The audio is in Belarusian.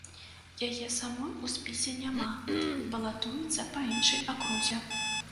Яе самой у спісе няма, балатуецца па іншай акрузе.